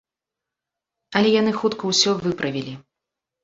Але яны хутка ўсё выправілі.